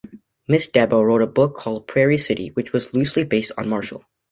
Miss Debo wrote a book called Prairie City which was loosely based on Marshall.